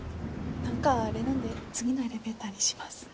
何かあれなんで次のエレベーターにします。